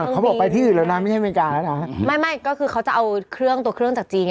เขาบอกไปที่อื่นแล้วนะไม่ใช่อเมริกาแล้วนะไม่ไม่ก็คือเขาจะเอาเครื่องตัวเครื่องจากจีน